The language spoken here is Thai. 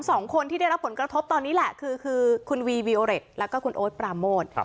สองคนที่ได้รับผลกระทบตอนนี้แหละคือคือคุณวีวีโอเรตแล้วก็คุณโอ๊ตปราโมท